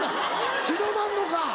広まんのか。